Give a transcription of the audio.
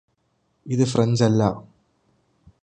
ഇത് ഫ്രഞ്ച് അല്ലാ